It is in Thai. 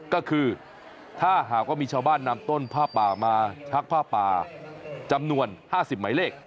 ก็คือถ้าหากว่ามีชาวบ้านนำต้นผ้าป่ามาชักผ้าป่าจำนวน๕๐หมายเลข